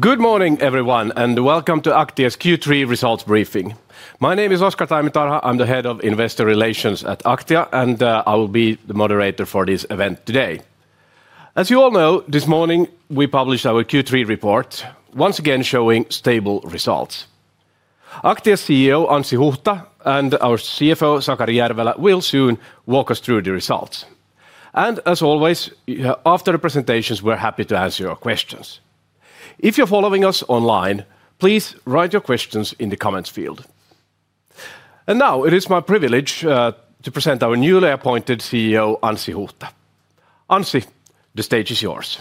Good morning, everyone, and welcome to Aktia's Q3 results briefing. My name is Oscar Taimitarha. I'm the Head of Investor Relations at Aktia, and I will be the moderator for this event today. As you all know, this morning we published our Q3 report, once again showing stable results. Aktia's CEO, Anssi Huhta, and our CFO, Sakari Järvelä, will soon walk us through the results. As always, after the presentations, we're happy to answer your questions. If you're following us online, please write your questions in the comments field. Now it is my privilege to present our newly appointed CEO, Anssi Huhta. Anssi, the stage is yours.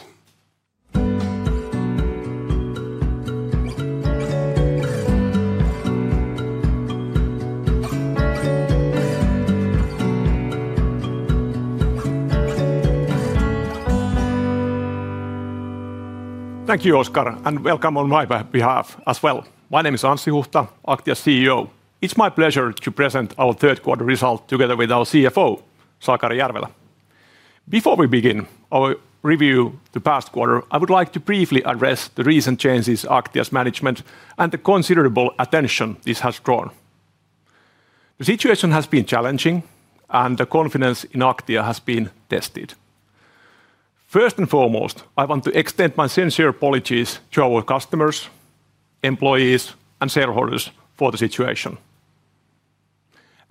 Thank you, Oscar, and welcome on my behalf as well. My name is Anssi Huhta, Aktia's CEO. It's my pleasure to present our third quarter result together with our CFO, Sakari Järvelä. Before we begin our review of the past quarter, I would like to briefly address the recent changes in Aktia's management and the considerable attention this has drawn. The situation has been challenging, and the confidence in Aktia has been tested. First and foremost, I want to extend my sincere apologies to our customers, employees, and shareholders for the situation.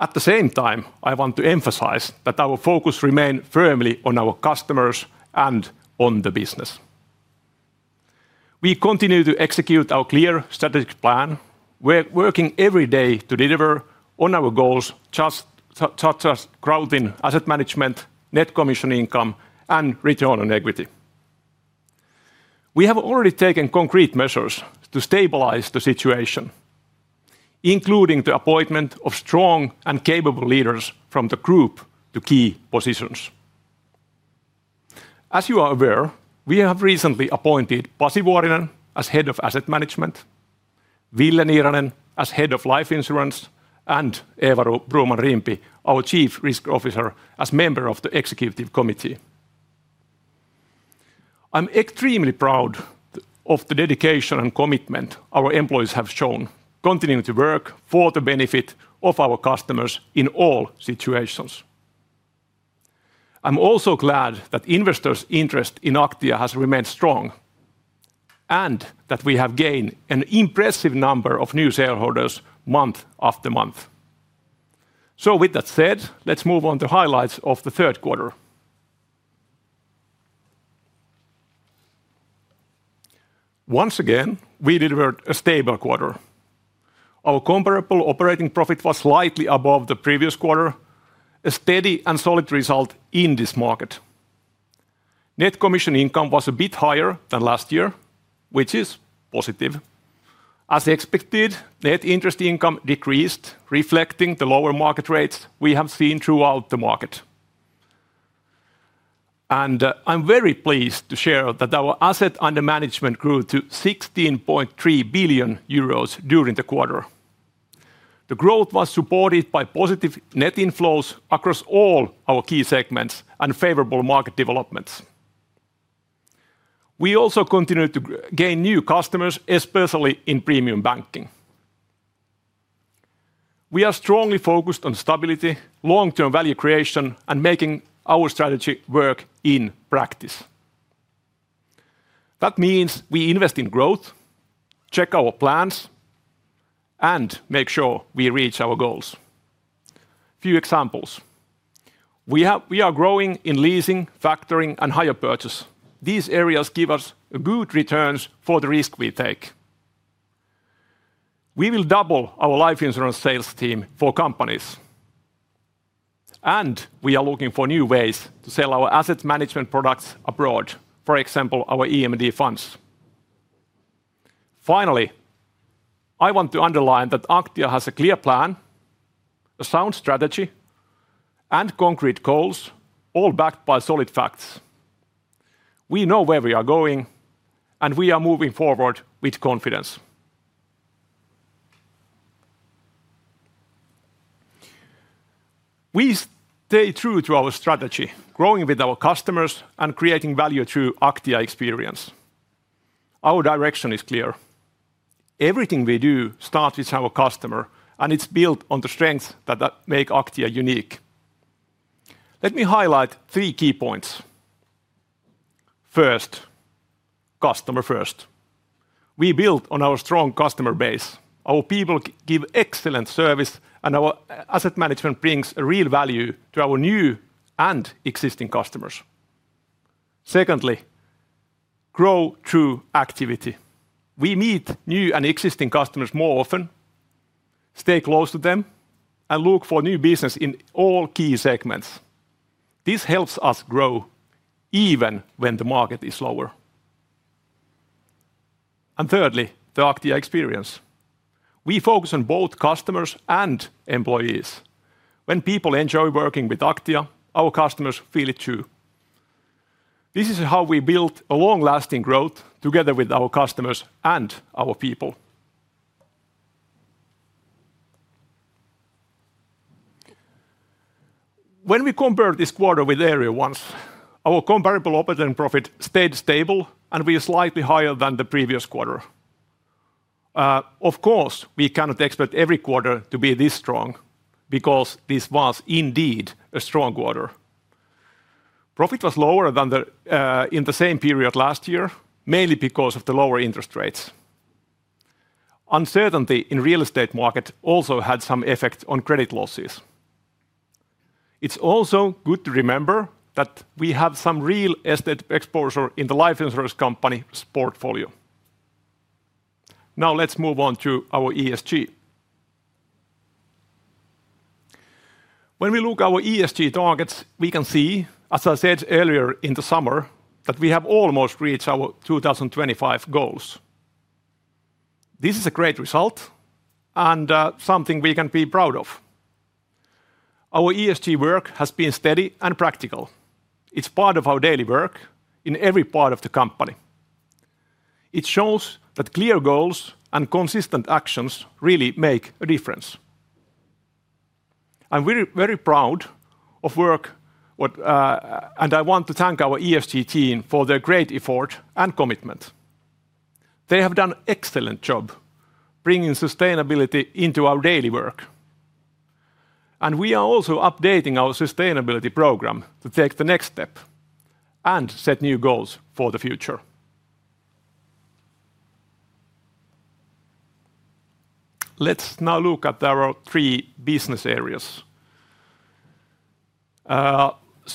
At the same time, I want to emphasize that our focus remains firmly on our customers and on the business. We continue to execute our clear strategic plan. We're working every day to deliver on our goals, such as growth in asset management, net commission income, and return on equity. We have already taken concrete measures to stabilize the situation, including the appointment of strong and capable leaders from the group to key positions. As you are aware, we have recently appointed Pasi Vuorinen as Head of Asset Management. Ville Niiranen as Head of Life Insurance, and Eva Broman-Rimpi, our Chief Risk Officer, as member of the executive committee. I'm extremely proud of the dedication and commitment our employees have shown, continuing to work for the benefit of our customers in all situations. I'm also glad that investors' interest in Aktia has remained strong. That we have gained an impressive number of new shareholders month after month. With that said, let's move on to highlights of the third quarter. Once again, we delivered a stable quarter. Our comparable operating profit was slightly above the previous quarter, a steady and solid result in this market. Net commission income was a bit higher than last year, which is positive. As expected, net interest income decreased, reflecting the lower market rates we have seen throughout the market. I'm very pleased to share that our assets under management grew to 16.3 billion euros during the quarter. The growth was supported by positive net inflows across all our key segments and favorable market developments. We also continue to gain new customers, especially in premium banking. We are strongly focused on stability, long-term value creation, and making our strategy work in practice. That means we invest in growth, check our plans, and make sure we reach our goals. Few examples. We are growing in leasing, factoring, and hire purchase. These areas give us good returns for the risk we take. We will double our life insurance sales team for companies. We are looking for new ways to sell our asset management products abroad, for example, our EMD funds. Finally, I want to underline that Aktia has a clear plan. A sound strategy, and concrete goals, all backed by solid facts. We know where we are going, and we are moving forward with confidence. We stay true to our strategy, growing with our customers and creating value through the AktiaExperience. Our direction is clear. Everything we do starts with our customer, and it is built on the strengths that make Aktia unique. Let me highlight three key points. First. Customer first. We build on our strong customer base. Our people give excellent service, and our asset management brings real value to our new and existing customers. Secondly. Grow through activity. We meet new and existing customers more often. Stay close to them, and look for new business in all key segments. This helps us grow even when the market is slower. Thirdly, the Aktia experience. We focus on both customers and employees. When people enjoy working with Aktia, our customers feel it too. This is how we build long-lasting growth together with our customers and our people. When we compare this quarter with the earlier ones, our comparable operating profit stayed stable, and we are slightly higher than the previous quarter. Of course, we cannot expect every quarter to be this strong, because this was indeed a strong quarter. Profit was lower than in the same period last year, mainly because of the lower interest rates. Uncertainty in the real estate market also had some effect on credit losses. It is also good to remember that we have some real estate exposure in the life insurance company's portfolio. Now let's move on to our ESG. When we look at our ESG targets, we can see, as I said earlier in the summer, that we have almost reached our 2025 goals. This is a great result. It is something we can be proud of. Our ESG work has been steady and practical. It is part of our daily work in every part of the company. It shows that clear goals and consistent actions really make a difference. I am very proud of work. I want to thank our ESG team for their great effort and commitment. They have done an excellent job bringing sustainability into our daily work. We are also updating our sustainability program to take the next step and set new goals for the future. Let us now look at our three business areas. Let us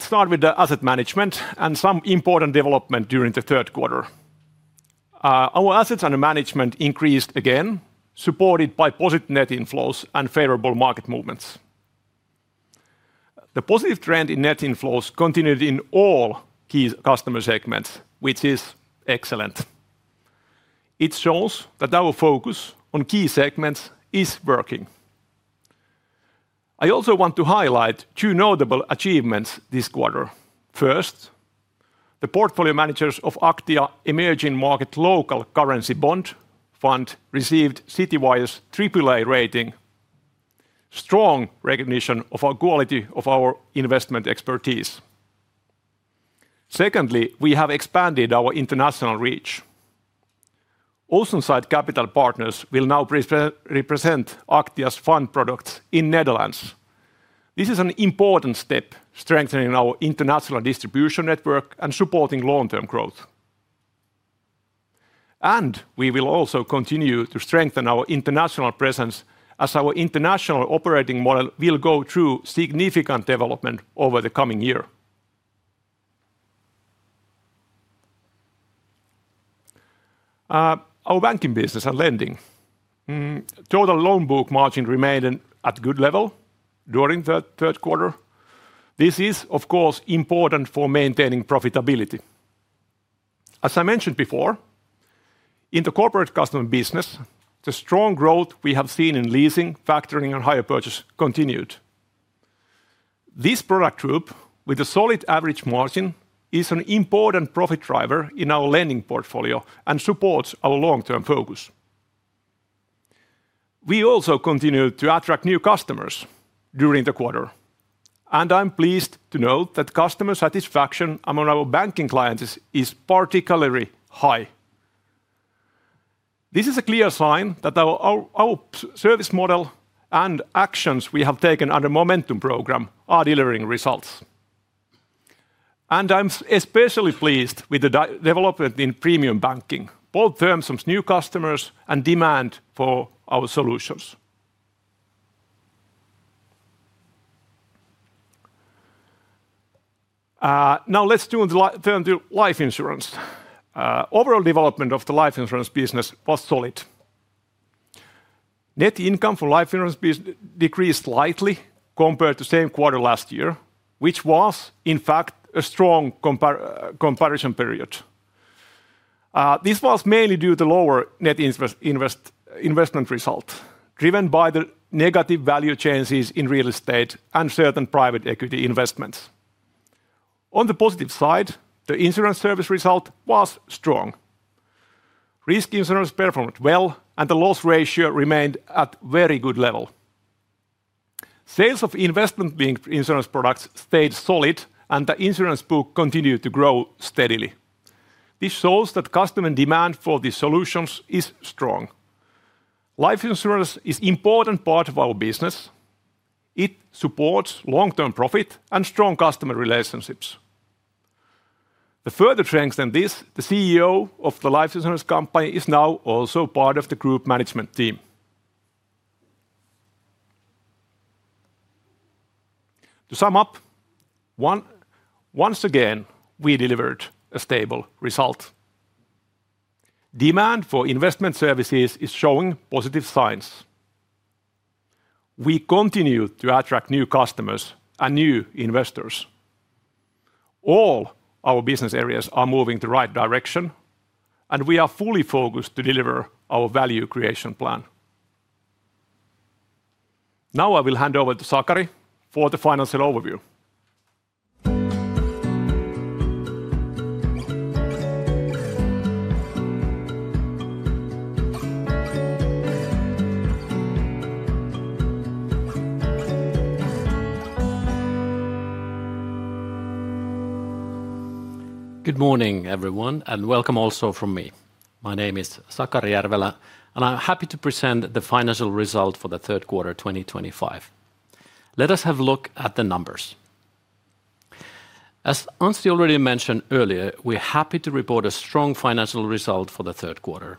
start with the asset management and some important developments during the third quarter. Our assets under management increased again, supported by positive net inflows and favorable market movements. The positive trend in net inflows continued in all key customer segments, which is excellent. It shows that our focus on key segments is working. I also want to highlight two notable achievements this quarter. First, the portfolio managers of Aktia Emerging Market Local Currency Bond+ Fund received Citywire's AAA rating. Strong recognition of our quality of our investment expertise. Secondly, we have expanded our international reach. Oceanside Capital Partners will now represent Aktia's fund products in the Netherlands. This is an important step, strengthening our international distribution network and supporting long-term growth. We will also continue to strengthen our international presence as our international operating model will go through significant development over the coming year. Our banking business and lending. Total loan book margin remained at a good level during the third quarter. This is, of course, important for maintaining profitability. As I mentioned before, in the corporate customer business, the strong growth we have seen in leasing, factoring, and hire purchase continued. This product group, with a solid average margin, is an important profit driver in our lending portfolio and supports our long-term focus. We also continue to attract new customers during the quarter. I am pleased to note that customer satisfaction among our banking clients is particularly high. This is a clear sign that our service model and actions we have taken under the Momentum Program are delivering results. I am especially pleased with the development in premium banking, both in terms of new customers and demand for our solutions. Now let's turn to life insurance. Overall development of the life insurance business was solid. Net income for life insurance decreased slightly compared to the same quarter last year, which was, in fact, a strong comparison period. This was mainly due to the lower net investment result, driven by the negative value changes in real estate and certain private equity investments. On the positive side, the insurance service result was strong. Risk insurance performed well, and the loss ratio remained at a very good level. Sales of investment-linked insurance products stayed solid, and the insurance book continued to grow steadily. This shows that customer demand for these solutions is strong. Life insurance is an important part of our business. It supports long-term profit and strong customer relationships. To further strengthen this, the CEO of the life insurance company is now also part of the group management team. To sum up. Once again, we delivered a stable result. Demand for investment services is showing positive signs. We continue to attract new customers and new investors. All our business areas are moving in the right direction, and we are fully focused to deliver our value creation plan. Now I will hand over to Sakari for the financial overview. Good morning, everyone, and welcome also from me. My name is Sakari Järvelä, and I'm happy to present the financial result for the third quarter 2025. Let us have a look at the numbers. As Anssi already mentioned earlier, we're happy to report a strong financial result for the third quarter.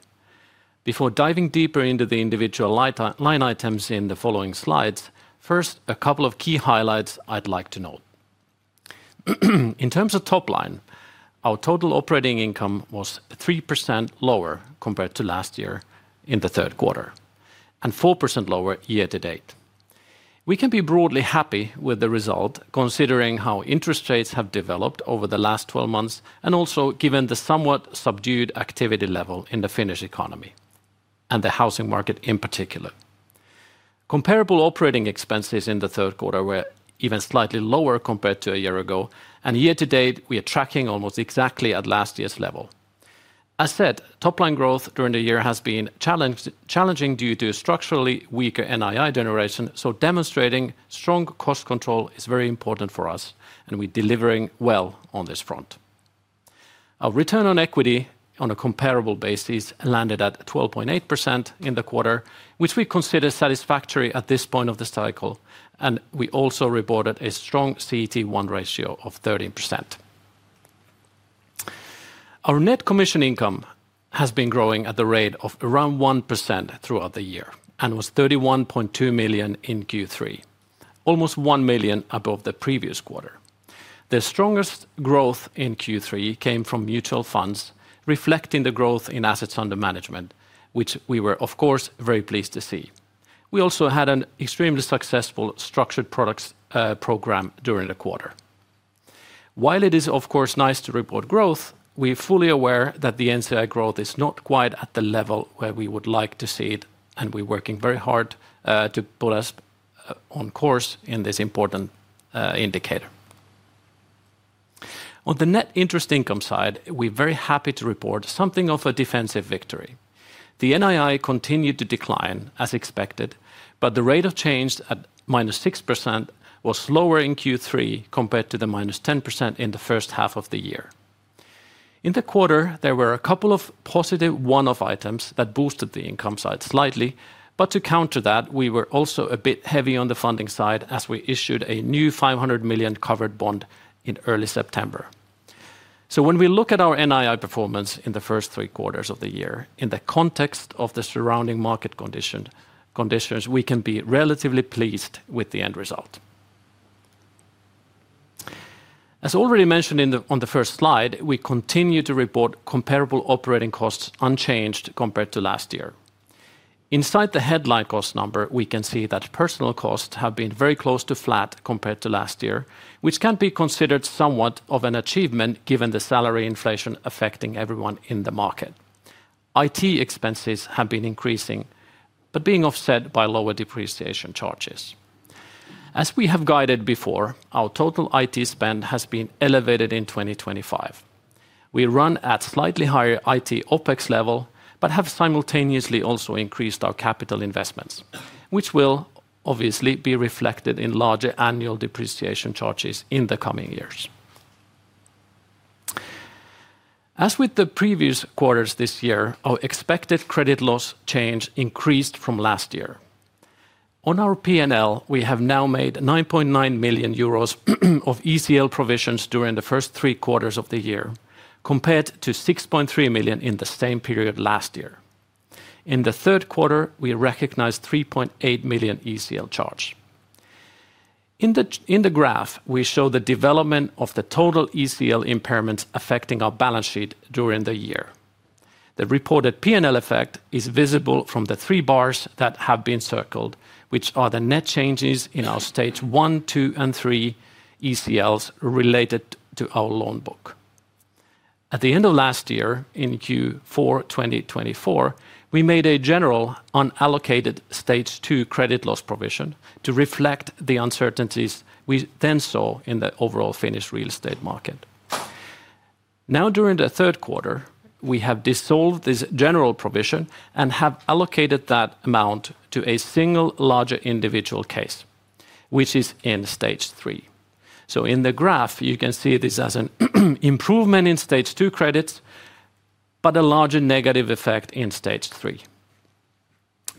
Before diving deeper into the individual line items in the following slides, first, a couple of key highlights I'd like to note. In terms of top line, our total operating income was 3% lower compared to last year in the third quarter, and 4% lower year to date. We can be broadly happy with the result, considering how interest rates have developed over the last 12 months, and also given the somewhat subdued activity level in the Finnish economy, and the housing market in particular. Comparable operating expenses in the third quarter were even slightly lower compared to a year ago, and year to date, we are tracking almost exactly at last year's level. As said, top line growth during the year has been challenging due to structurally weaker NII generation, so demonstrating strong cost control is very important for us, and we're delivering well on this front. Our return on equity on a comparable basis landed at 12.8% in the quarter, which we consider satisfactory at this point of the cycle, and we also reported a strong CET1 ratio of 13%. Our net commission income has been growing at the rate of around 1% throughout the year and was 31.2 million in Q3, almost 1 million above the previous quarter. The strongest growth in Q3 came from mutual funds, reflecting the growth in assets under management, which we were, of course, very pleased to see. We also had an extremely successful structured products program during the quarter. While it is, of course, nice to report growth, we're fully aware that the NCI growth is not quite at the level where we would like to see it, and we're working very hard to put us on course in this important indicator. On the net interest income side, we're very happy to report something of a defensive victory. The NII continued to decline as expected, but the rate of change at -6% was lower in Q3 compared to the -10% in the first half of the year. In the quarter, there were a couple of positive one-off items that boosted the income side slightly, but to counter that, we were also a bit heavy on the funding side as we issued a new 500 million covered bond in early September. When we look at our NII performance in the first three quarters of the year, in the context of the surrounding market conditions, we can be relatively pleased with the end result. As already mentioned on the first slide, we continue to report comparable operating costs unchanged compared to last year. Inside the headline cost number, we can see that personnel costs have been very close to flat compared to last year, which can be considered somewhat of an achievement given the salary inflation affecting everyone in the market. IT expenses have been increasing, but being offset by lower depreciation charges. As we have guided before, our total IT spend has been elevated in 2025. We run at a slightly higher IT OpEx level, but have simultaneously also increased our capital investments, which will obviously be reflected in larger annual depreciation charges in the coming years. As with the previous quarters this year, our expected credit loss change increased from last year. On our P&L, we have now made 9.9 million euros of ECL provisions during the first three quarters of the year, compared to 6.3 million in the same period last year. In the third quarter, we recognized 3.8 million ECL charge. In the graph, we show the development of the total ECL impairments affecting our balance sheet during the year. The reported P&L effect is visible from the three bars that have been circled, which are the net changes in our stage one, two, and three ECLs related to our loan book. At the end of last year, in Q4 2024, we made a general unallocated stage two credit loss provision to reflect the uncertainties we then saw in the overall Finnish real estate market. Now, during the third quarter, we have dissolved this general provision and have allocated that amount to a single larger individual case, which is in stage three. In the graph, you can see this as an improvement in stage two credits, but a larger negative effect in stage three.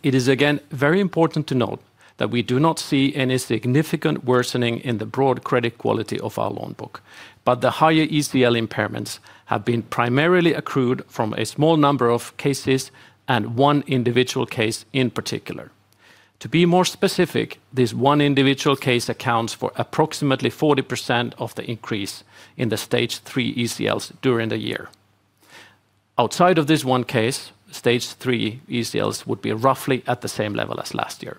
It is again very important to note that we do not see any significant worsening in the broad credit quality of our loan book, but the higher ECL impairments have been primarily accrued from a small number of cases and one individual case in particular. To be more specific, this one individual case accounts for approximately 40% of the increase in the stage three ECLs during the year. Outside of this one case, stage three ECLs would be roughly at the same level as last year.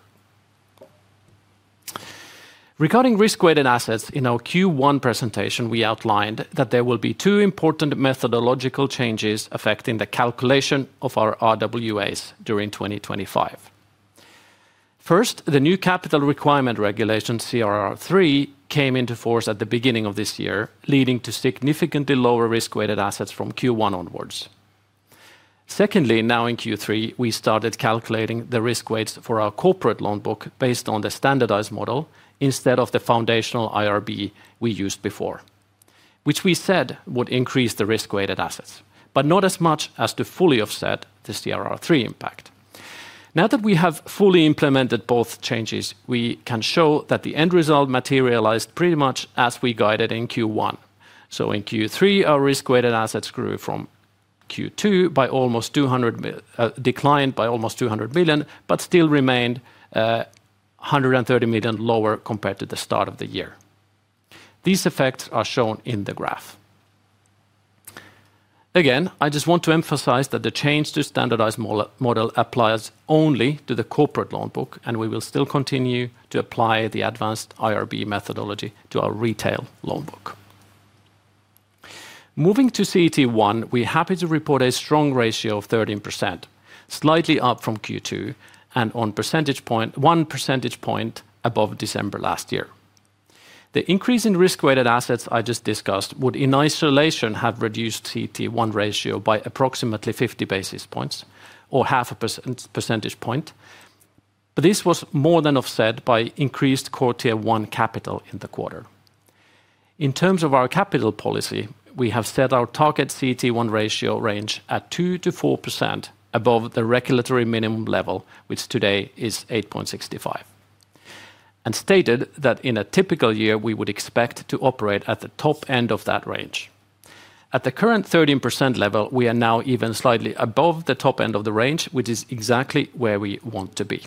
Regarding risk-weighted assets, in our Q1 presentation, we outlined that there will be two important methodological changes affecting the calculation of our RWAs during 2025. First, the new capital requirement regulation, CRR3, came into force at the beginning of this year, leading to significantly lower risk-weighted assets from Q1 onwards. Secondly, now in Q3, we started calculating the risk weights for our corporate loan book based on the standardized model instead of the foundational IRB we used before, which we said would increase the risk-weighted assets, but not as much as to fully offset the CRR3 impact. Now that we have fully implemented both changes, we can show that the end result materialized pretty much as we guided in Q1. In Q3, our risk-weighted assets grew from Q2 by almost 200, declined by almost 200 million, but still remained 130 million lower compared to the start of the year. These effects are shown in the graph. Again, I just want to emphasize that the change to the standardized model applies only to the corporate loan book, and we will still continue to apply the advanced IRB methodology to our retail loan book. Moving to CET1, we're happy to report a strong ratio of 13%, slightly up from Q2 and one percentage point above December last year. The increase in risk-weighted assets I just discussed would in isolation have reduced CET1 ratio by approximately 50 basis points or half a percentage point. This was more than offset by increased quarter one capital in the quarter. In terms of our capital policy, we have set our target CET1 ratio range at 2%-4% above the regulatory minimum level, which today is 8.65%. We have stated that in a typical year, we would expect to operate at the top end of that range. At the current 13% level, we are now even slightly above the top end of the range, which is exactly where we want to be.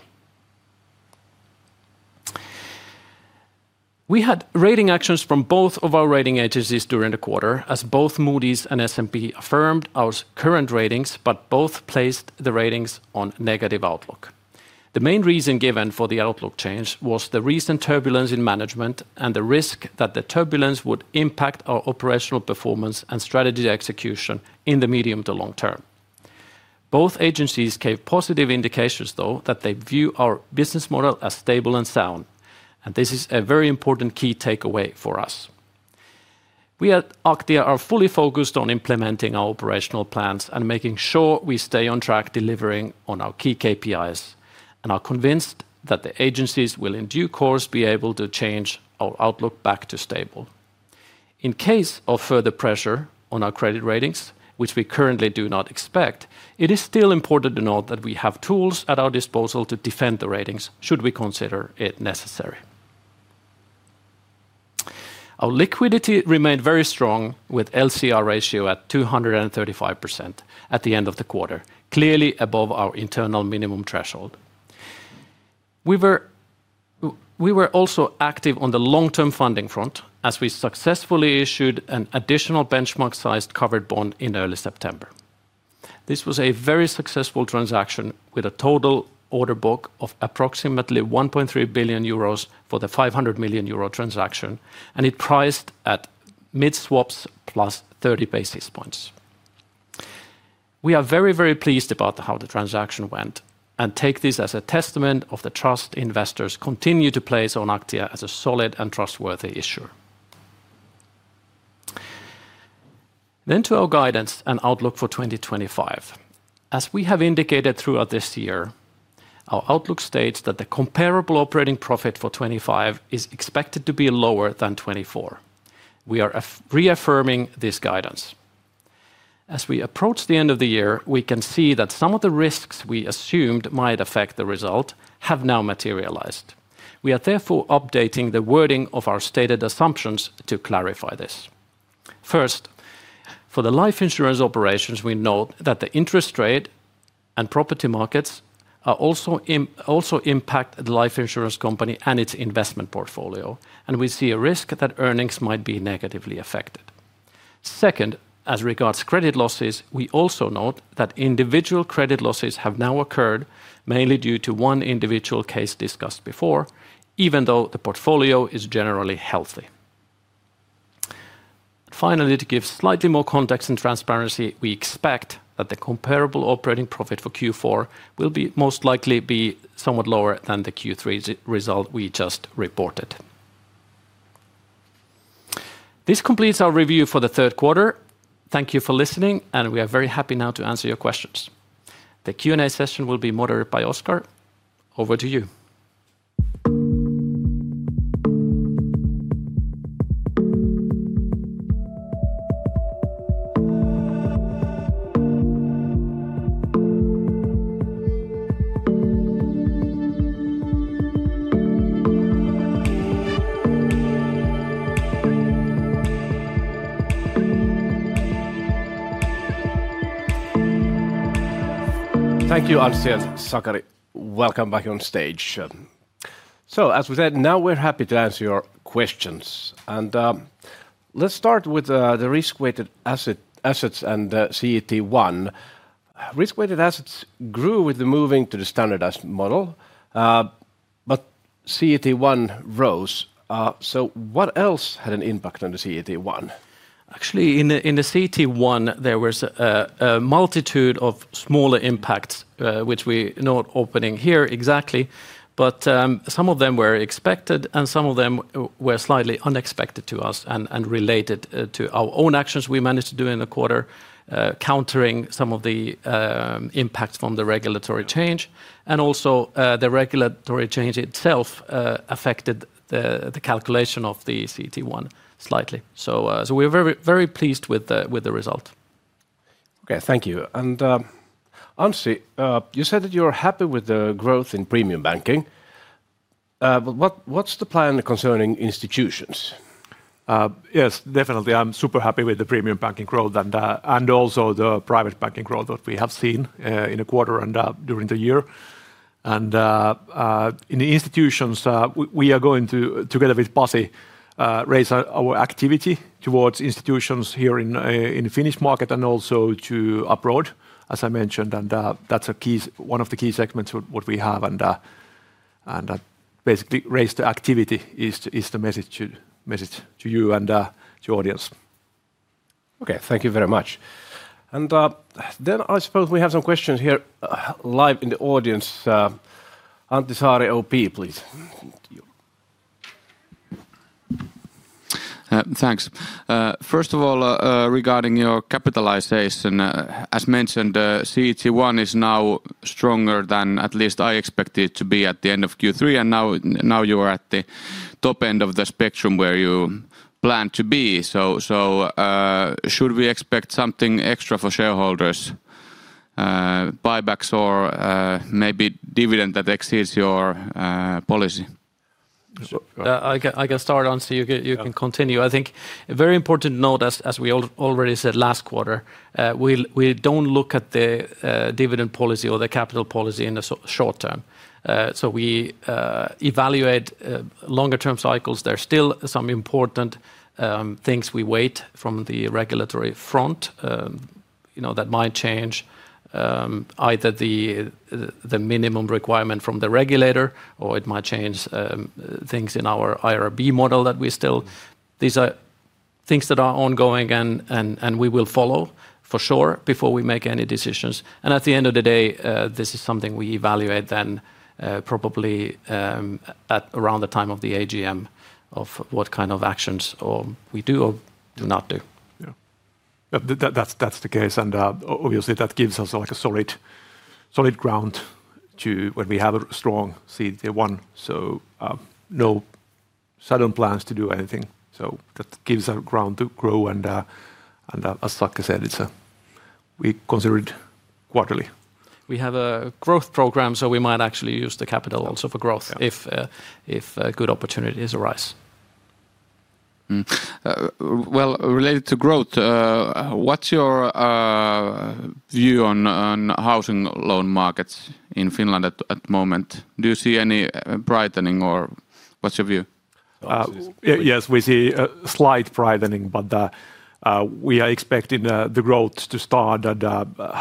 We had rating actions from both of our rating agencies during the quarter, as both Moody's and S&P affirmed our current ratings, but both placed the ratings on negative outlook. The main reason given for the outlook change was the recent turbulence in management and the risk that the turbulence would impact our operational performance and strategy execution in the medium to long term. Both agencies gave positive indications, though, that they view our business model as stable and sound, and this is a very important key takeaway for us. We at Aktia are fully focused on implementing our operational plans and making sure we stay on track delivering on our key KPIs, and are convinced that the agencies will in due course be able to change our outlook back to stable. In case of further pressure on our credit ratings, which we currently do not expect, it is still important to note that we have tools at our disposal to defend the ratings should we consider it necessary. Our liquidity remained very strong with an LCR ratio at 235% at the end of the quarter, clearly above our internal minimum threshold. We were also active on the long-term funding front as we successfully issued an additional benchmark-sized covered bond in early September. This was a very successful transaction with a total order book of approximately 1.3 billion euros for the 500 million euro transaction, and it priced at mid swaps +30 basis points. We are very, very pleased about how the transaction went and take this as a testament of the trust investors continue to place on Aktia as a solid and trustworthy issuer. To our guidance and outlook for 2025. As we have indicated throughout this year, our outlook states that the comparable operating profit for 2025 is expected to be lower than 2024. We are reaffirming this guidance. As we approach the end of the year, we can see that some of the risks we assumed might affect the result have now materialized. We are therefore updating the wording of our stated assumptions to clarify this. First, for the life insurance operations, we note that the interest rate and property markets also impact the life insurance company and its investment portfolio, and we see a risk that earnings might be negatively affected. Second, as regards credit losses, we also note that individual credit losses have now occurred mainly due to one individual case discussed before, even though the portfolio is generally healthy. Finally, to give slightly more context and transparency, we expect that the comparable operating profit for Q4 will most likely be somewhat lower than the Q3 result we just reported. This completes our review for the third quarter. Thank you for listening, and we are very happy now to answer your questions. The Q&A session will be moderated by Oscar. Over to you. Thank you, Anssi and Sakari. Welcome back on stage. As we said, now we're happy to answer your questions. Let's start with the risk-weighted assets and CET1. Risk-weighted assets grew with the moving to the standardized model, but CET1 rose. What else had an impact on the CET1? Actually, in the CET1, there was a multitude of smaller impacts, which we are not opening here exactly, but some of them were expected and some of them were slightly unexpected to us and related to our own actions we managed to do in the quarter, countering some of the impacts from the regulatory change. Also, the regulatory change itself affected the calculation of the CET1 slightly. We are very pleased with the result. Okay, thank you. Anssi, you said that you're happy with the growth in premium banking. What's the plan concerning institutions? Yes, definitely. I'm super happy with the premium banking growth and also the private banking growth that we have seen in the quarter and during the year. In the institutions, we are going to, together with Pasi, raise our activity towards institutions here in the Finnish market and also abroad, as I mentioned. That is one of the key segments of what we have. Basically, raise the activity is the message to you and to the audience. Okay, thank you very much. I suppose we have some questions here live in the audience. Antti Saari, OP, please. Thanks. First of all, regarding your capitalization, as mentioned, CET1 is now stronger than at least I expected it to be at the end of Q3. Now you are at the top end of the spectrum where you plan to be. Should we expect something extra for shareholders? Buybacks, or maybe dividend that exceeds your policy? I can start, Anssi. You can continue. I think a very important note, as we already said last quarter, we do not look at the dividend policy or the capital policy in the short term. We evaluate longer-term cycles. There are still some important things we wait from the regulatory front that might change either the minimum requirement from the regulator, or it might change things in our IRB model. These are things that are ongoing and we will follow for sure before we make any decisions. At the end of the day, this is something we evaluate then probably around the time of the AGM of what kind of actions we do or do not do. Yeah, that is the case. Obviously, that gives us a solid ground when we have a strong CET1. No sudden plans to do anything. That gives us ground to grow. As Sakari said, it's a. We consider it quarterly. We have a growth program, so we might actually use the capital also for growth if good opportunities arise. Related to growth, what's your view on housing loan markets in Finland at the moment? Do you see any brightening or what's your view? Yes, we see a slight brightening, but we are expecting the growth to start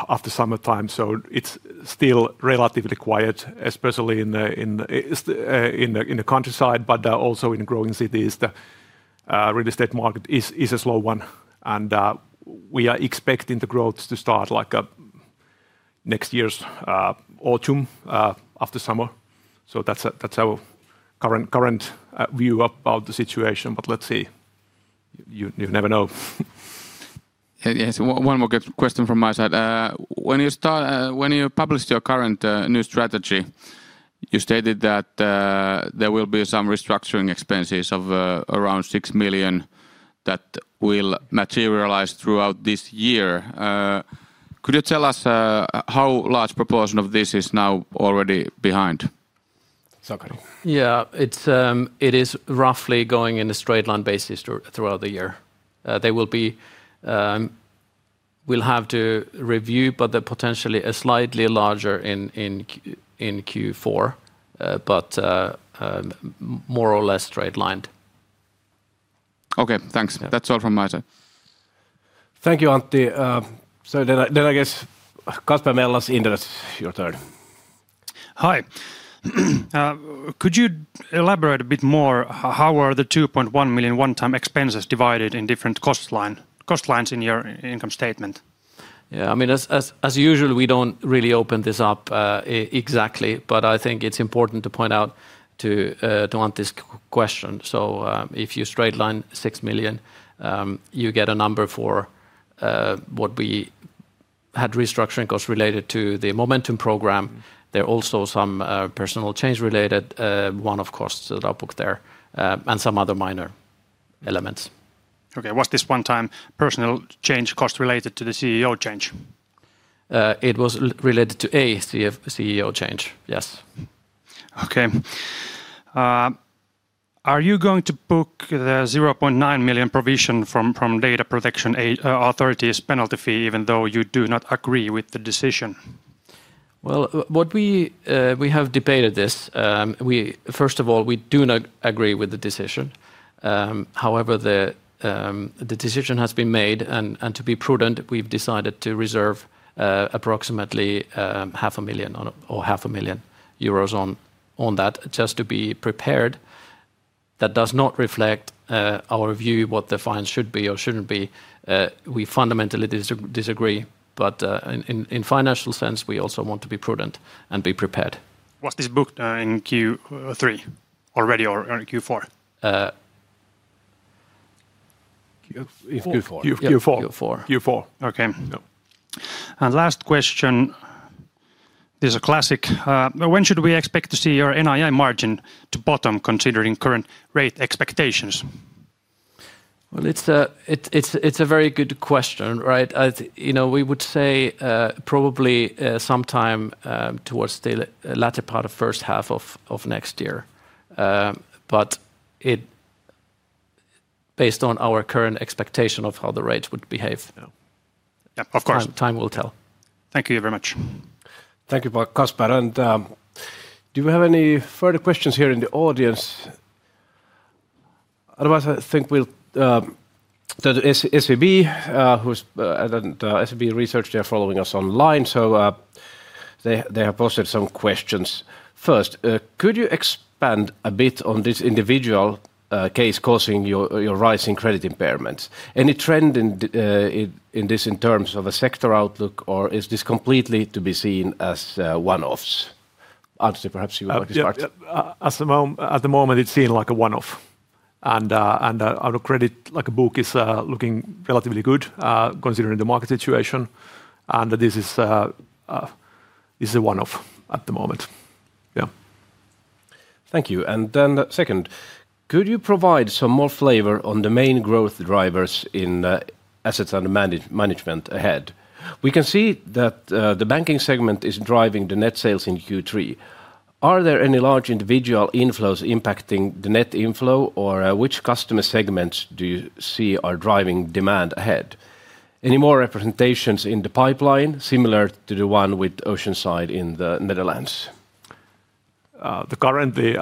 after summertime. It is still relatively quiet, especially in the countryside, but also in growing cities. The real estate market is a slow one. We are expecting the growth to start like next year's autumn after summer. That is our current view about the situation. Let's see. You never know. Yes, one more question from my side. When you published your current new strategy, you stated that. There will be some restructuring expenses of around 6 million that will materialize throughout this year. Could you tell us how large a proportion of this is now already behind? Sakari. Yeah, it is roughly going in a straight line basis throughout the year. They will be. We'll have to review, but potentially a slightly larger in Q4, but more or less straight lined. Okay, thanks. That's all from my side. Thank you, Antti. I guess Kasper Mellas, Inderes, your turn. Hi. Could you elaborate a bit more? How are the 2.1 million one-time expenses divided in different cost lines in your income statement? Yeah, I mean, as usual, we don't really open this up exactly, but I think it's important to point out to Antti's question. If you straight line 6 million, you get a number for what we. Had restructuring costs related to the Momentum Program. There are also some personnel change related one-off costs that are booked there and some other minor elements. Okay, was this one-time personnel change cost related to the CEO change? It was related to a CEO change, yes. Okay. Are you going to book the 900,000 provision from data protection authority's penalty fee even though you do not agree with the decision? We have debated this. First of all, we do not agree with the decision. However, the decision has been made, and to be prudent, we have decided to reserve approximately 500,000 euros on that just to be prepared. That does not reflect our view of what the fine should be or should not be. We fundamentally disagree, but in a financial sense, we also want to be prudent and be prepared. Was this booked in Q3 already or in Q4? Q4. Q4. Q4. Okay. Last question. This is a classic. When should we expect to see your NII margin to bottom considering current rate expectations? It is a very good question, right? We would say probably sometime towards the latter part of the first half of next year. Based on our current expectation of how the rates would behave. Of course, time will tell. Thank you very much. Thank you, Kasper. Do we have any further questions here in the audience? Otherwise, I think we will go to SEB, who is the SEB Research, they are following us online, so they have posted some questions. First, could you expand a bit on this individual case causing your rising credit impairments? Any trend in this in terms of a sector outlook, or is this completely to be seen as one-offs? Anssi, perhaps you want to start. At the moment, it's seen like a one-off. Our credit book is looking relatively good considering the market situation. This is a one-off at the moment. Yeah. Thank you. Second, could you provide some more flavor on the main growth drivers in assets and management ahead? We can see that the banking segment is driving the net sales in Q3. Are there any large individual inflows impacting the net inflow, or which customer segments do you see are driving demand ahead? Any more representations in the pipeline, similar to the one with Oceanside in the Netherlands? Currently,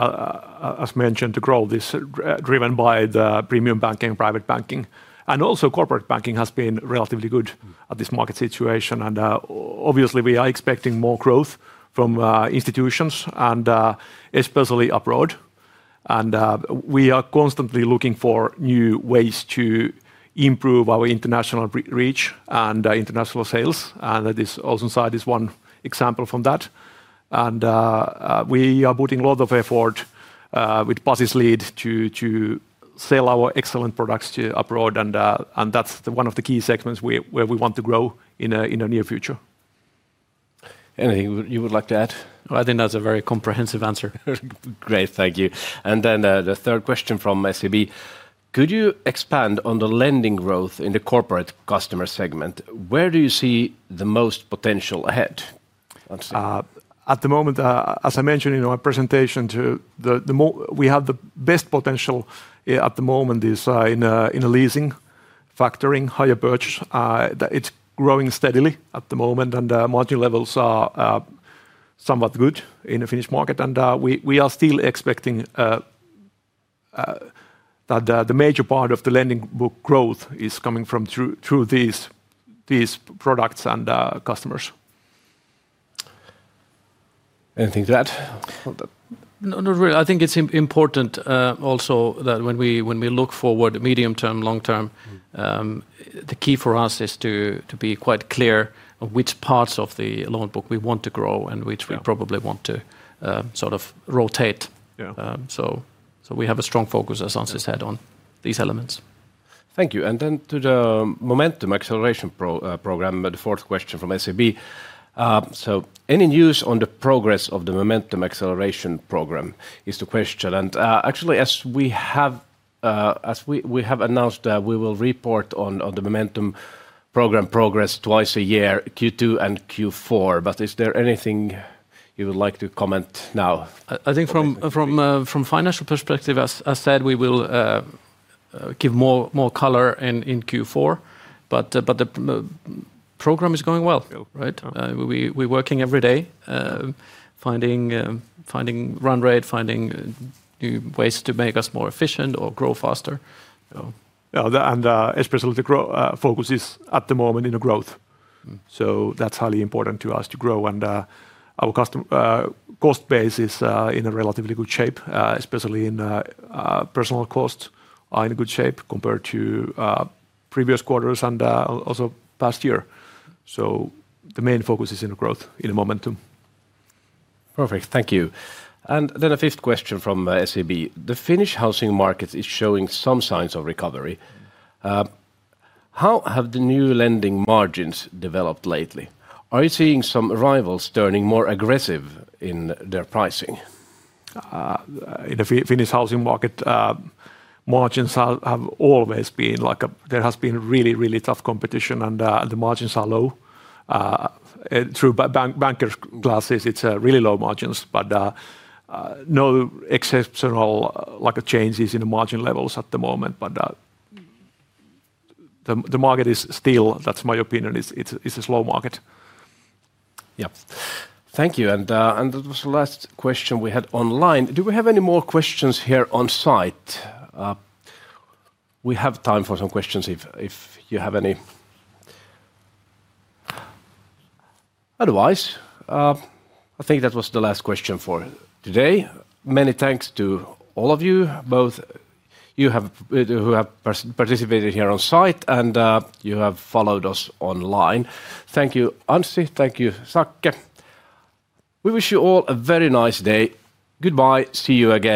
as mentioned, the growth is driven by the premium banking, private banking, and also corporate banking has been relatively good at this market situation. Obviously, we are expecting more growth from institutions, and especially abroad. We are constantly looking for new ways to improve our international reach and international sales. Oceanside is one example from that. We are putting a lot of effort, with Pasi's lead, to sell our excellent products abroad. That is one of the key segments where we want to grow in the near future. Anything you would like to add? I think that is a very comprehensive answer. Great, thank you. The third question from SEB: Could you expand on the lending growth in the corporate customer segment? Where do you see the most potential ahead? At the moment, as I mentioned in my presentation, the best potential at the moment is in leasing, factoring, hire purchase. It is growing steadily at the moment, and the margin levels are somewhat good in the Finnish market. We are still expecting. That the major part of the lending book growth is coming through these products and customers. Anything to add? Not really. I think it's important also that when we look forward, medium term, long term, the key for us is to be quite clear on which parts of the loan book we want to grow and which we probably want to sort of rotate. We have a strong focus, as Anssi said, on these elements. Thank you. To the Momentum Acceleration Program, the fourth question from SEB. Any news on the progress of the Momentum Acceleration Program is the question. Actually, as we have announced, we will report on the Momentum Program progress twice a year, Q2 and Q4, but is there anything you would like to comment now? I think from a financial perspective, as I said, we will. Give more color in Q4, but the program is going well, right? We're working every day, finding run rate, finding new ways to make us more efficient or grow faster. Especially the growth focus is at the moment in the growth. That's highly important to us to grow. Our cost base is in a relatively good shape, especially in personal costs are in good shape compared to previous quarters and also past year. The main focus is in the growth, in the Momentum. Perfect, thank you. A fifth question from SEB. The Finnish housing market is showing some signs of recovery. How have the new lending margins developed lately? Are you seeing some rivals turning more aggressive in their pricing? In the Finnish housing market, margins have always been like a there has been really, really tough competition, and the margins are low. Through bankers' glasses, it's really low margins, but no exceptional changes in the margin levels at the moment. The market is still, that's my opinion, it's a slow market. Yeah, thank you. That was the last question we had online. Do we have any more questions here on site? We have time for some questions if you have any. I think that was the last question for today. Many thanks to all of you, both you who have participated here on site and you who have followed us online. Thank you, Anssi. Thank you, Sakari. We wish you all a very nice day. Goodbye. See you again.